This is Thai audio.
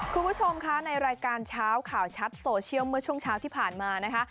คุณผู้ชมคะในรายการเช้าข่าวชัดโซเชียลเมื่อช่วงเช้าที่ผ่านมานะคะ